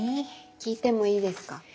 聞いてもいいですか？